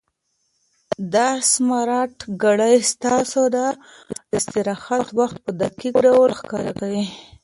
دا سمارټ ګړۍ ستاسو د استراحت وخت په دقیق ډول ښکاره کوي.